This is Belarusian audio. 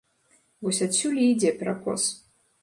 Вось адсюль і ідзе перакос.